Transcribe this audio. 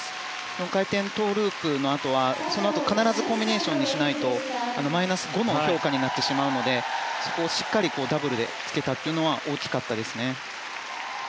４回転トウループのあとはそのあと必ずコンビネーションにしないとマイナス５の評価になってしまうのでそこをしっかりダブルでつけたというのは大きかったですね。